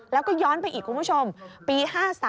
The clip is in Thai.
แล้วก็ย้อนไปอีกคุณผู้ชมปี๕๓